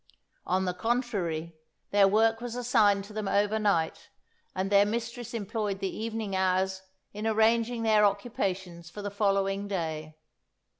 On the contrary, their work was assigned to them over night, and their mistress employed the evening hours in arranging their occupations for the following day.